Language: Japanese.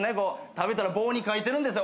食べたら棒に書いてるんですよ。